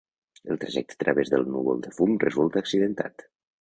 El trajecte a través del núvol de fum resulta accidentat.